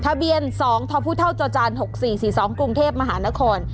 ทะเบียน๒ทพจจ๖๔๔๒กรุงเทพมหานคร